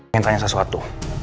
saya ingin tanya sesuatu